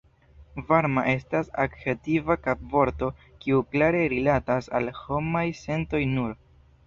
Varma estas adjektiva kapvorto kiu klare rilatas al homaj sentoj nur.